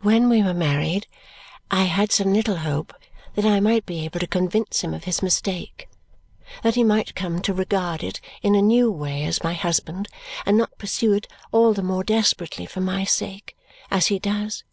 "When we were married I had some little hope that I might be able to convince him of his mistake, that he might come to regard it in a new way as my husband and not pursue it all the more desperately for my sake as he does.